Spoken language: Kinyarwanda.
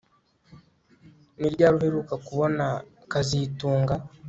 Ni ryari uheruka kubona kazitunga